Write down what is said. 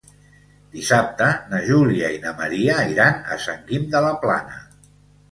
Dissabte na Júlia i na Maria iran a Sant Guim de la Plana.